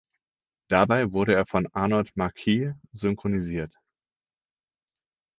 Dabei wurde er von Arnold Marquis synchronisiert.